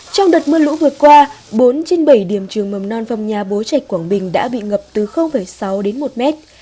trong đợt mưa lũ vừa qua bốn trên bảy điểm trường mầm non phong nhà bố trạch quảng bình đã bị ngập từ sáu đến một mét